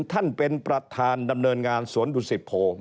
ท่านเป็นประธานดำเนินงานศวรรษิภโภ